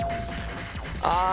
あ。